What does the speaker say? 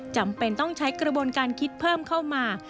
จำเป็นต้องใช้กระบวนการคิดเพิ่มเข้ามา